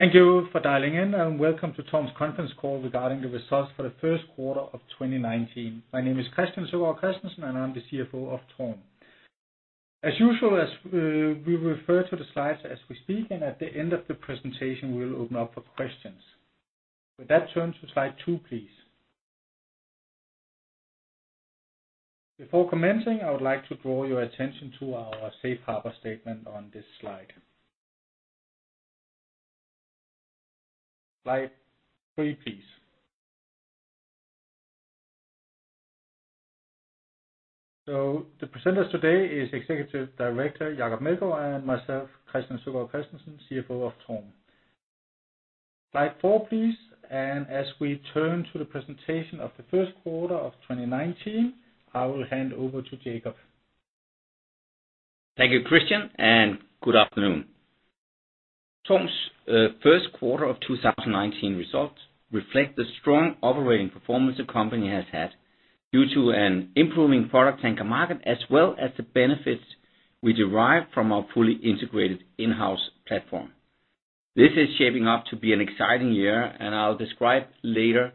Thank you for dialing in, and welcome to TORM's conference call regarding the results for the first quarter of 2019. My name is Christian Søgaard-Christensen, and I'm the CFO of TORM. As usual, as we refer to the slides as we speak, and at the end of the presentation, we'll open up for questions. With that, turn to slide two, please. Before commencing, I would like to draw your attention to our Safe Harbor statement on this slide. Slide three, please. The presenters today is Executive Director, Jacob Meldgaard, and myself, Christian Søgaard-Christensen, CFO of TORM. Slide four, please, and as we turn to the presentation of the first quarter of 2019, I will hand over to Jacob. Thank you, Christian, and good afternoon. TORM's first quarter of 2019 results reflect the strong operating performance the company has had due to an improving product tanker market, as well as the benefits we derive from our fully integrated in-house platform. This is shaping up to be an exciting year, and I'll describe later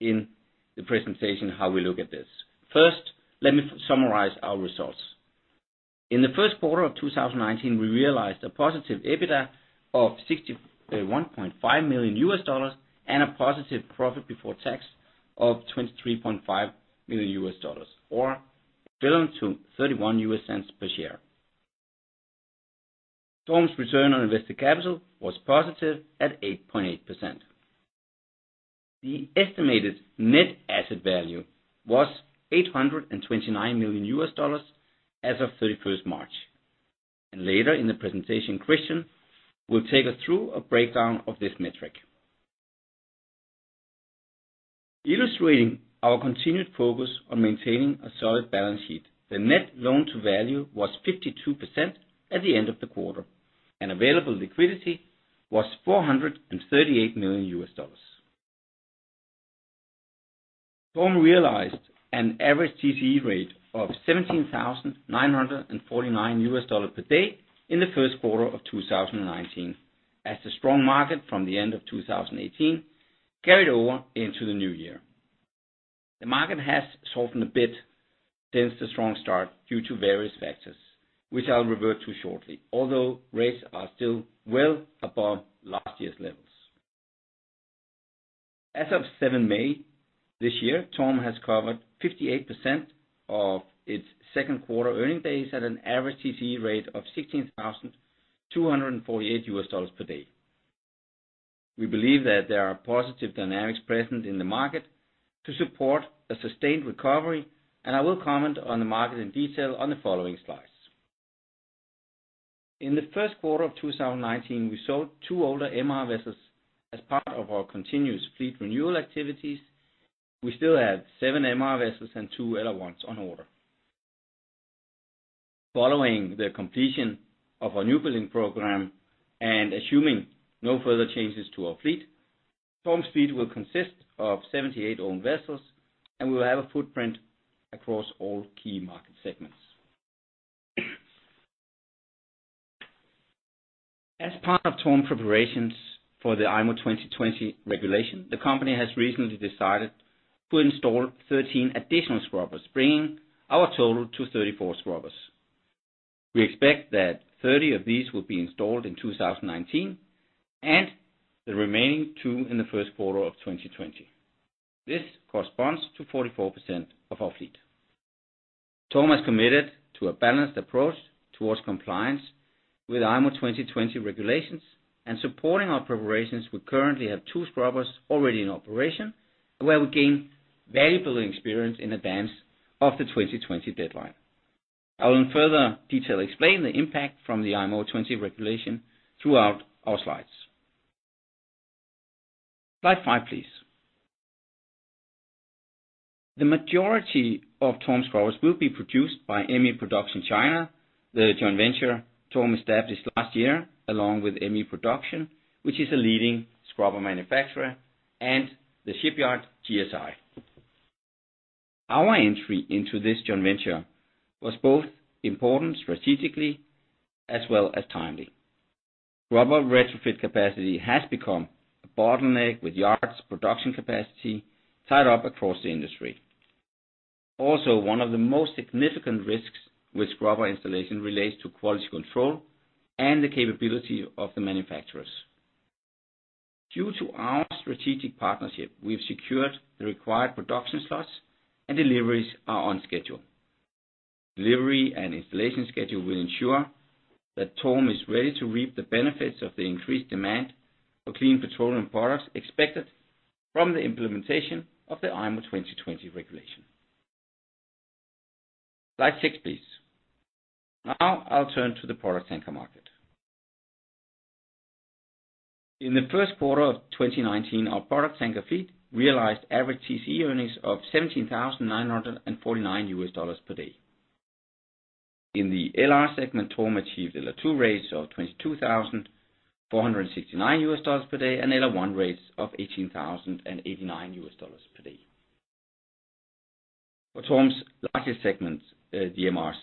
in the presentation how we look at this. First, let me summarize our results. In the first quarter of 2019, we realized a positive EBITDA of $61.5 million, and a positive profit before tax of $23.5 million, or equivalent to $0.31 per share. TORM's return on invested capital was positive at 8.8%. The estimated net asset value was $829 million as of 31st March. Later in the presentation, Christian will take us through a breakdown of this metric. Illustrating our continued focus on maintaining a solid balance sheet, the net loan-to-value was 52% at the end of the quarter, and available liquidity was $438 million. TORM realized an average TCE rate of $17,949 per day in the first quarter of 2019, as the strong market from the end of 2018 carried over into the new year. The market has softened a bit since the strong start due to various factors, which I'll revert to shortly, although rates are still well above last year's levels. As of 7th May this year, TORM has covered 58% of its second quarter earning days at an average TCE rate of $16,248 per day. We believe that there are positive dynamics present in the market to support a sustained recovery, and I will comment on the market in detail on the following slides. In the first quarter of 2019, we sold 2 older MR vessels as part of our continuous fleet renewal activities. We still have two MR vessels and two LR1 on order. Following the completion of our new building program, and assuming no further changes to our fleet, TORM's fleet will consist of 78 owned vessels, and we will have a footprint across all key market segments. As part of TORM preparations for the IMO 2020 regulation, the company has recently decided to install 13 additional scrubbers, bringing our total to 34 scrubbers. We expect that 30 of these will be installed in 2019, and the remaining two in the first quarter of 2020. This corresponds to 44% of our fleet. TORM is committed to a balanced approach towards compliance with IMO 2020 regulations, and supporting our preparations, we currently have two scrubbers already in operation, where we gain valuable experience in advance of the 2020 deadline. I will in further detail explain the impact from the IMO 2020 regulation throughout our slides. Slide five, please. The majority of TORM's scrubbers will be produced by ME Production China, the joint venture TORM established last year, along with ME Production, which is a leading scrubber manufacturer and the shipyard GSI. Our entry into this joint venture was both important strategically as well as timely. Scrubber retrofit capacity has become a bottleneck, with yards' production capacity tied up across the industry. One of the most significant risks with scrubber installation relates to quality control and the capability of the manufacturers. Due to our strategic partnership, we've secured the required production slots, and deliveries are on schedule. Delivery and installation schedule will ensure that TORM is ready to reap the benefits of the increased demand for clean petroleum products expected from the implementation of the IMO 2020 regulation. Slide six, please. I'll turn to the product tanker market. In the first quarter of 2019, our product tanker fleet realized average TCE earnings of $17,949 per day. In the LR segment, TORM achieved LR2 rates of $22,469 per day, and LR1 rates of $18,089 per day. For TORM's largest segment, MRs,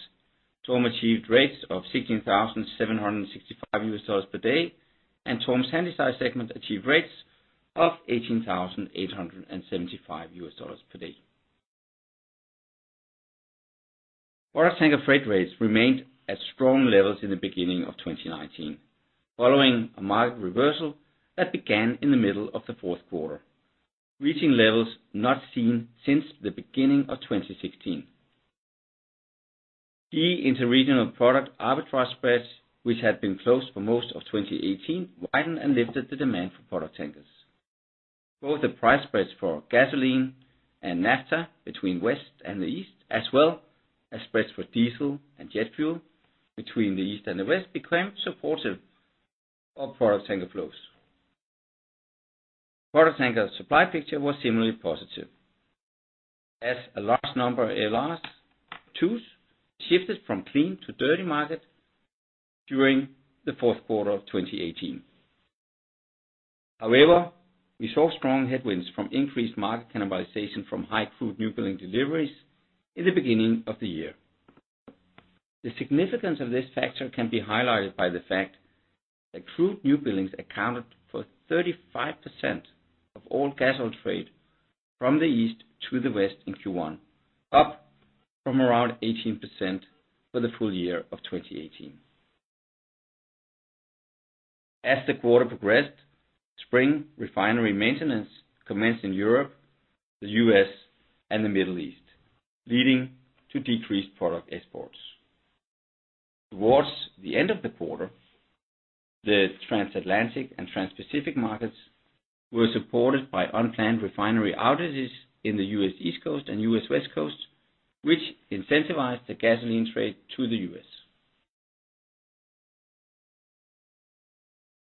TORM achieved rates of $16,765 per day, and TORM's Handysize segment achieved rates of $18,875 per day. Product tanker freight rates remained at strong levels in the beginning of 2019, following a market reversal that began in the middle of the fourth quarter, reaching levels not seen since the beginning of 2016. Key interregional product arbitrage spreads, which had been closed for most of 2018, widened and lifted the demand for product tankers. Both the price spreads for gasoline and naphtha between West and the East, as well as spreads for diesel and jet fuel between the East and the West, became supportive of product tanker flows. Product tanker supply picture was similarly positive. As a large number of LR2s shifted from clean to dirty market during the fourth quarter of 2018. However, we saw strong headwinds from increased market cannibalization from high crude newbuilding deliveries in the beginning of the year. The significance of this factor can be highlighted by the fact that crude newbuildings accounted for 35% of all gas oil trade from the East to the West in Q1, up from around 18% for the full year of 2018. As the quarter progressed, spring refinery maintenance commenced in Europe, the U.S., and the Middle East, leading to decreased product exports. Towards the end of the quarter, the transatlantic and transpacific markets were supported by unplanned refinery outages in the U.S. East Coast and U.S. West Coast, which incentivized the gasoline trade to the U.S.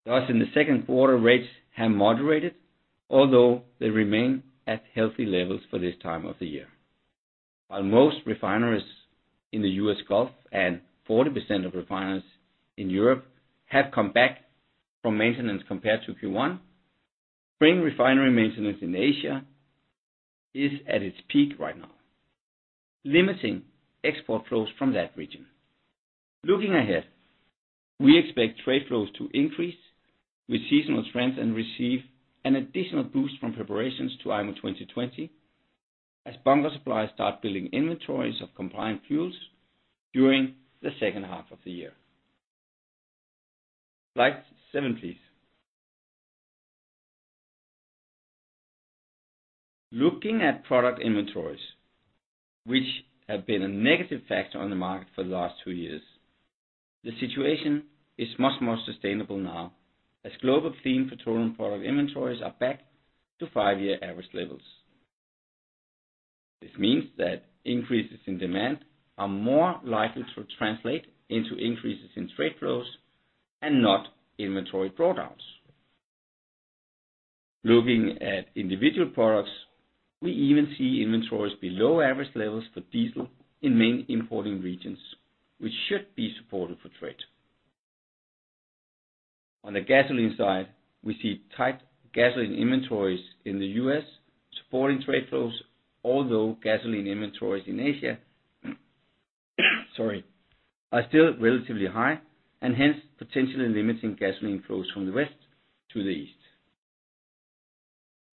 Thus, in the second quarter, rates have moderated, although they remain at healthy levels for this time of the year. While most refineries in the U.S. Gulf and 40% of refineries in Europe have come back from maintenance compared to Q1, spring refinery maintenance in Asia is at its peak right now, limiting export flows from that region. Looking ahead, we expect trade flows to increase with seasonal trends and receive an additional boost from preparations to IMO 2020, as bunker suppliers start building inventories of compliant fuels during the second half of the year. Slide seven, please. Looking at product inventories, which have been a negative factor on the market for the last two years, the situation is much more sustainable now as global clean petroleum product inventories are back to five-year average levels. This means that increases in demand are more likely to translate into increases in trade flows and not inventory drawdowns. Looking at individual products, we even see inventories below average levels for diesel in main importing regions, which should be supportive for trade. On the gasoline side, we see tight gasoline inventories in the U.S. supporting trade flows, although gasoline inventories in Asia are still relatively high and hence potentially limiting gasoline flows from the West to the East.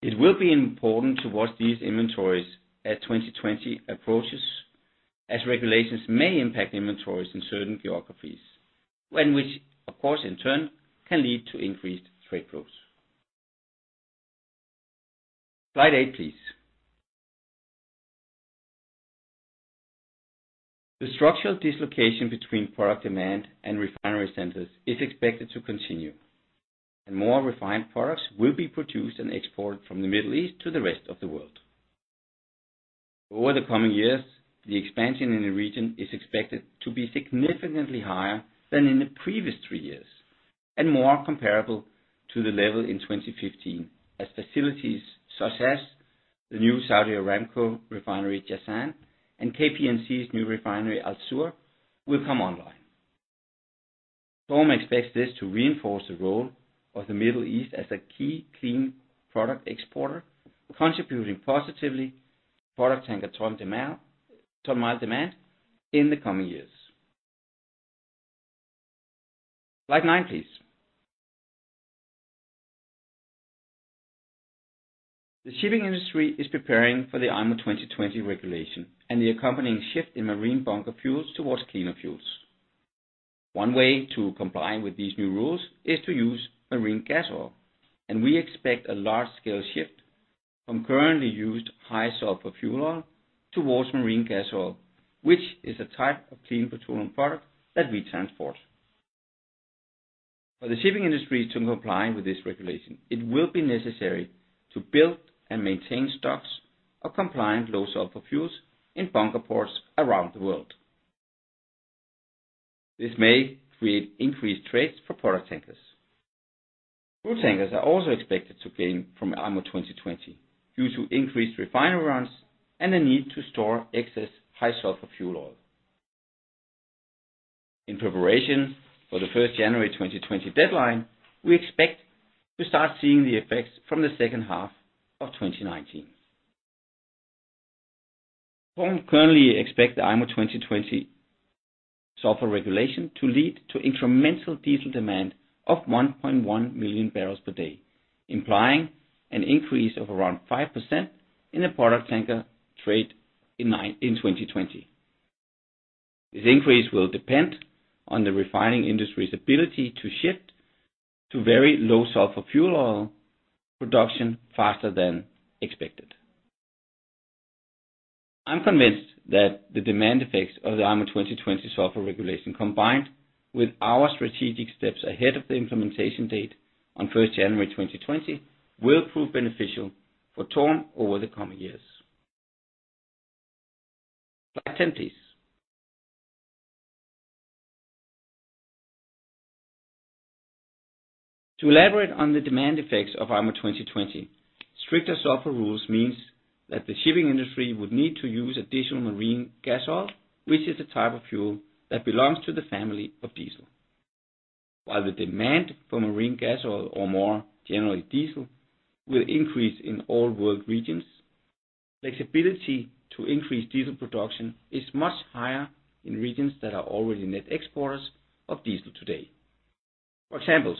It will be important to watch these inventories as 2020 approaches, as regulations may impact inventories in certain geographies, which, of course, in turn, can lead to increased trade flows. Slide eight, please. The structural dislocation between product demand and refinery centers is expected to continue. More refined products will be produced and exported from the Middle East to the rest of the world. Over the coming years, the expansion in the region is expected to be significantly higher than in the previous three years and more comparable to the level in 2015, as facilities such as the new Saudi Aramco refinery, Jazan, and KNPC's new refinery, Al-Zour, will come online. TORM expects this to reinforce the role of the Middle East as a key clean product exporter, contributing positively product tanker ton-mile demand in the coming years. Slide nine, please. The shipping industry is preparing for the IMO 2020 regulation and the accompanying shift in marine bunker fuels towards cleaner fuels. One way to comply with these new rules is to use marine gas oil. We expect a large-scale shift from currently used high-sulfur fuel oil towards marine gas oil, which is a type of clean petroleum product that we transport. For the shipping industry to comply with this regulation, it will be necessary to build and maintain stocks of compliant low-sulfur fuels in bunker ports around the world. This may create increased trades for product tankers. Crude tankers are also expected to gain from IMO 2020 due to increased refinery runs and a need to store excess high-sulfur fuel oil. In preparation for the 1st January 2020 deadline, we expect to start seeing the effects from the second half of 2019. TORM currently expect the IMO 2020 sulfur regulation to lead to incremental diesel demand of 1.1 MMbpd barrels per day, implying an increase of around 5% in the product tanker trade in 2020. This increase will depend on the refining industry's ability to shift to very low-sulfur fuel oil production faster than expected. I'm convinced that the demand effects of the IMO 2020 sulfur regulation, combined with our strategic steps ahead of the implementation date on 1st January 2020, will prove beneficial for TORM over the coming years. Slide 10, please. To elaborate on the demand effects of IMO 2020, stricter sulfur rules means that the shipping industry would need to use additional marine gas oil, which is a type of fuel that belongs to the family of diesel. While the demand for marine gas oil, or more generally, diesel, will increase in all world regions, flexibility to increase diesel production is much higher in regions that are already net exporters of diesel today. For example,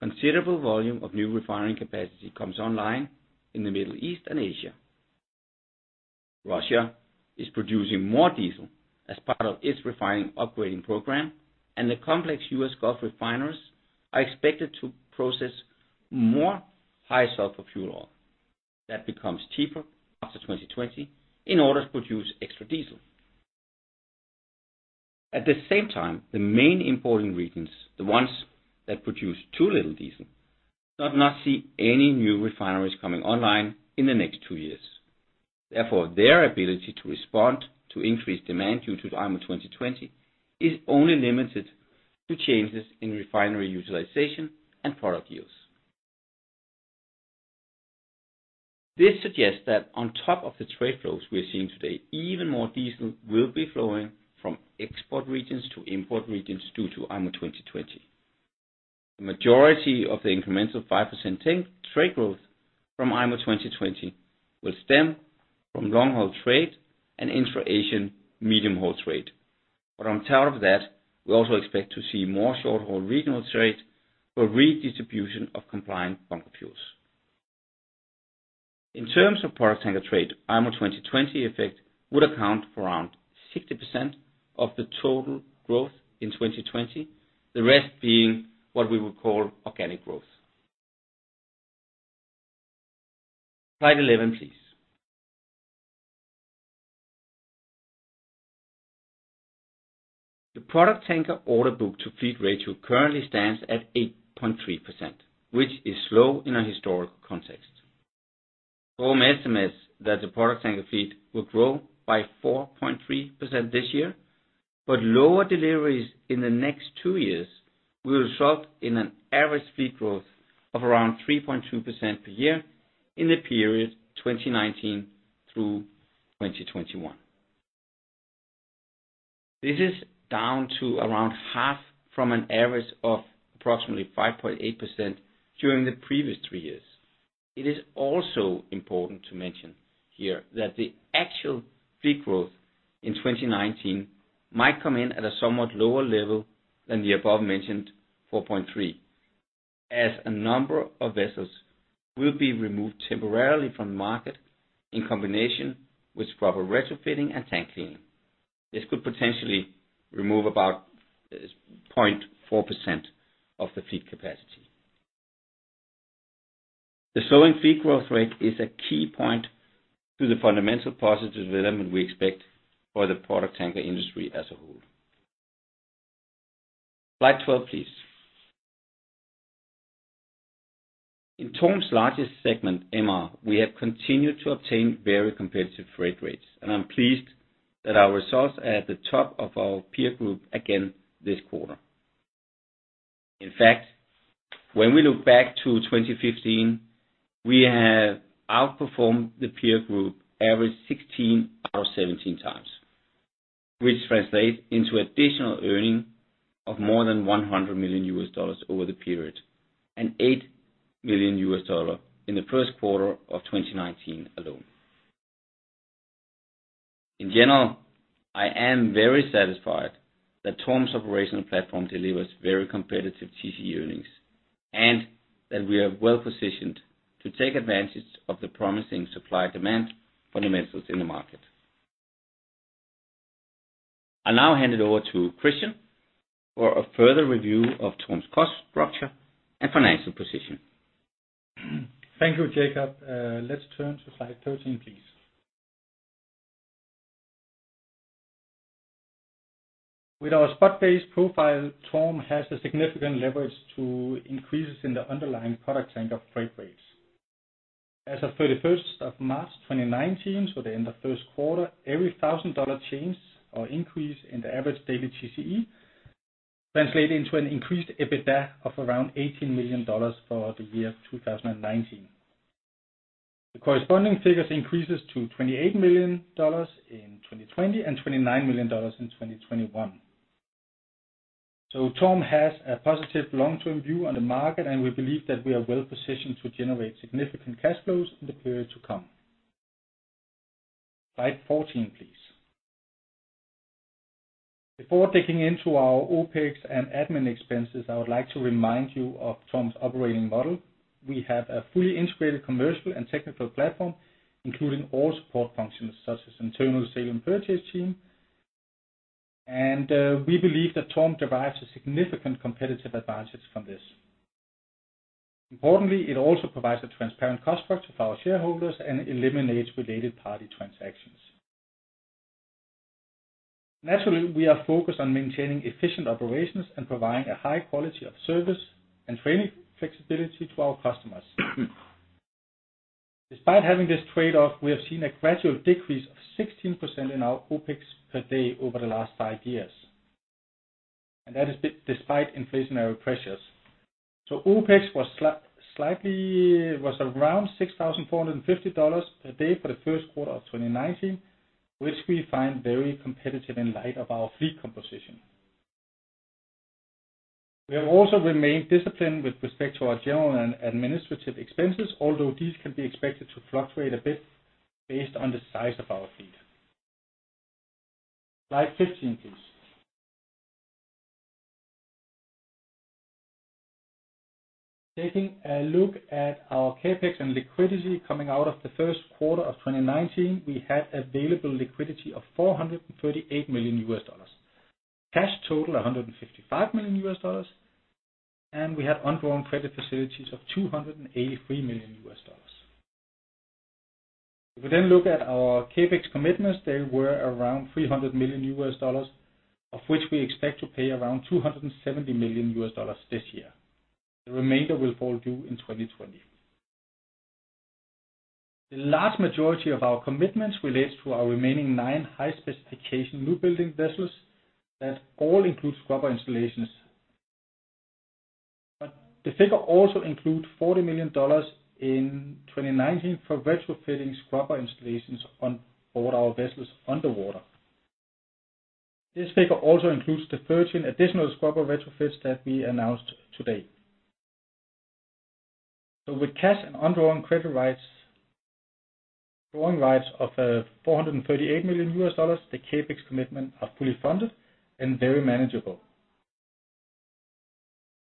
considerable volume of new refining capacity comes online in the Middle East and Asia. Russia is producing more diesel as part of its refining upgrading program, and the complex U.S. Gulf refineries are expected to process more high-sulfur fuel oil that becomes cheaper after 2020 in order to produce extra diesel. At the same time, the main importing regions, the ones that produce too little diesel, do not see any new refineries coming online in the next two years. Therefore, their ability to respond to increased demand due to IMO 2020 is only limited to changes in refinery utilization and product use. This suggests that on top of the trade flows we are seeing today, even more diesel will be flowing from export regions to import regions due to IMO 2020. The majority of the incremental 5% tank trade growth from IMO 2020 will stem from long-haul trade and intra-Asian medium-haul trade. On top of that, we also expect to see more short-haul regional trade for redistribution of compliant bunker fuels. In terms of product tanker trade, IMO 2020 effect would account for around 60% of the total growth in 2020, the rest being what we would call organic growth. Slide 11, please. The product tanker orderbook-to-fleet ratio currently stands at 8.3%, which is slow in a historical context. TORM estimates that the product tanker fleet will grow by 4.3% this year, lower deliveries in the next two years will result in an average fleet growth of around 3.2% per year in the period 2019-2021. This is down to around half from an average of approximately 5.8% during the previous three years. It is also important to mention here that the actual fleet growth in 2019 might come in at a somewhat lower level than the above-mentioned 4.3%, as a number of vessels will be removed temporarily from the market in combination with scrubber retrofitting and tank cleaning. This could potentially remove about 0.4% of the fleet capacity. The slowing fleet growth rate is a key point to the fundamental positive development we expect for the product tanker industry as a whole. Slide 12, please. In TORM's largest segment, MR, we have continued to obtain very competitive freight rates, and I'm pleased that our results are at the top of our peer group again this quarter. In fact, when we look back to 2015, we have outperformed the peer group average 16x out of 17x, which translates into additional earning of more than $100 million over the period, and $8 million in the first quarter of 2019 alone. In general, I am very satisfied that TORM's operational platform delivers very competitive TCE earnings, and that we are well positioned to take advantage of the promising supply-demand fundamentals in the market. I now hand it over to Christian for a further review of TORM's cost structure and financial position. Thank you, Jacob. Let's turn to slide 13, please. With our spot-based profile, TORM has a significant leverage to increases in the underlying product tanker freight rates. As of 31st of March, 2019, so the end of first quarter, every $1,000 change or increase in the average daily TCE translate into an increased EBITDA of around $18 million for the year 2019. The corresponding figures increases to $28 million in 2020, and $29 million in 2021. TORM has a positive long-term view on the market, and we believe that we are well positioned to generate significant cash flows in the period to come. Slide 14, please. Before digging into our OpEx and admin expenses, I would like to remind you of TORM's operating model. We have a fully integrated commercial and technical platform, including all support functions, such as internal sales and purchase team. We believe that TORM derives a significant competitive advantage from this. Importantly, it also provides a transparent cost structure for our shareholders and eliminates related party transactions. Naturally, we are focused on maintaining efficient operations and providing a high quality of service and training flexibility to our customers. Despite having this trade-off, we have seen a gradual decrease of 16% in our OpEx per day over the last five years, and that is despite inflationary pressures. OpEx slightly was around $6,450 per day for the first quarter of 2019, which we find very competitive in light of our fleet composition. We have also remained disciplined with respect to our general and administrative expenses, although these can be expected to fluctuate a bit based on the size of our fleet. Slide 15, please. Taking a look at our CapEx and liquidity coming out of the first quarter of 2019, we had available liquidity of $438 million. Cash total, $155 million, and we had undrawn credit facilities of $283 million. If we look at our CapEx commitments, they were around $300 million, of which we expect to pay around $270 million this year. The remainder will fall due in 2020. The large majority of our commitments relates to our remaining nine high-specification new building vessels, that all include scrubber installations. The figure also include $40 million in 2019 for retrofitting scrubber installations on all our vessels on the water. This figure also includes the 13 additional scrubber retrofits that we announced today. With cash and undrawn credit rights, drawing rights of $438 million, the CapEx commitment are fully funded and very manageable.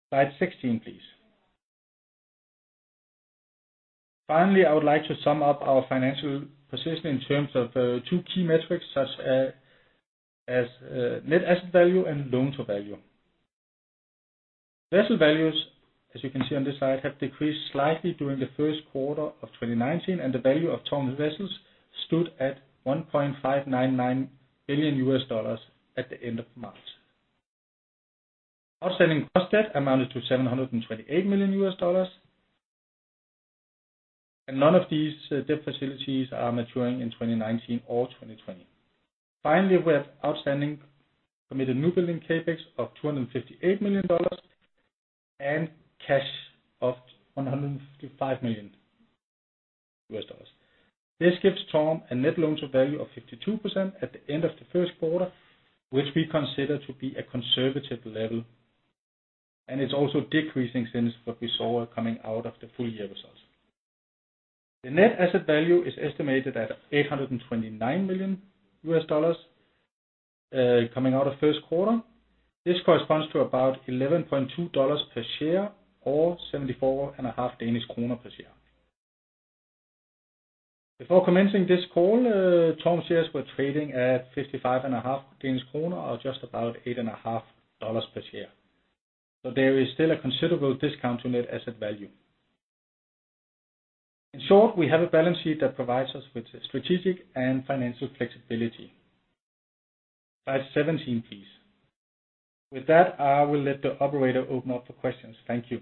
Slide 16, please. Finally, I would like to sum up our financial position in terms of two key metrics, such as net asset value and loan to value. Vessel values, as you can see on this slide, have decreased slightly during the first quarter of 2019, and the value of TORM's vessels stood at $1.599 billion at the end of March. Outstanding cross-debt amounted to $728 million, and none of these debt facilities are maturing in 2019 or 2020. Finally, we have outstanding committed new building CapEx of $258 million and cash of $155 million. This gives TORM a net loan-to-value of 52% at the end of the first quarter, which we consider to be a conservative level, and it's also decreasing since what we saw coming out of the full year results. The net asset value is estimated at $829 million coming out of first quarter. This corresponds to about $11.2 per share, or 74.5 Danish kroner per share. Before commencing this call, TORM shares were trading at 55.5 Danish kroner, or just about $8.5 per share. There is still a considerable discount to net asset value. In short, we have a balance sheet that provides us with strategic and financial flexibility. Slide 17, please. With that, I will let the operator open up for questions. Thank you.